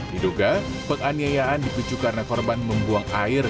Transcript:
diduga penganiayaan dipicu karena korban membuang air